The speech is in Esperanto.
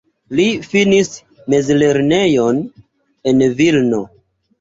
Li finis mezlernejon en Vilno.